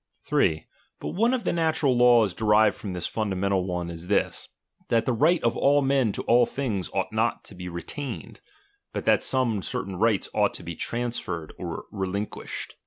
3. But one of the natural laws derived from this ■■■' fundamental one is this : that the right of all men \h. to all things ought not to be retained ; but (hat la some certain rights ought to be transferred or re linquished.